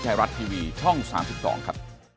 ไทยรัฐทีวีช่อง๓๒ครับ